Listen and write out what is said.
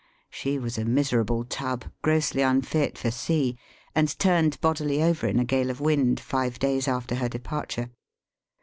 Shu was a miserable tub, grossly unfit for sea, and turned bodily over in a gale of wind, live days after her depar ture.